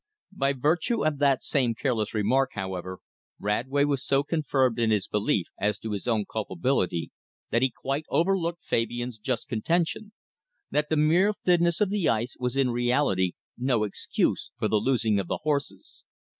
By virtue of that same careless remark, however, Radway was so confirmed in his belief as to his own culpability that he quite overlooked Fabian's just contention that the mere thinness of the ice was in reality no excuse for the losing of the horses.